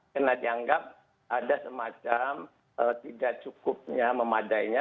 karena dianggap ada semacam tidak cukupnya memadainya